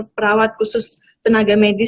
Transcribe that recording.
perawat khusus tenaga medis